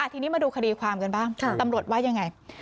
ทีนี้มาดูคดีความกันบ้างตำรวจว่ายังไง